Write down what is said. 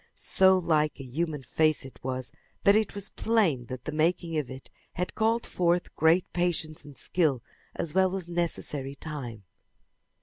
So like a human face it was that it was plain that the making of it had called forth great patience and skill as well as necessary time.